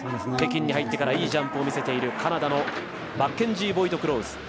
北京に入ってからいいジャンプを見せているカナダのマッケンジー・ボイドクロウズ。